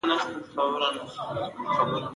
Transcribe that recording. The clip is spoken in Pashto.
هغه ښۀ سړی ډی